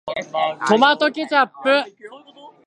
トマトケチャップ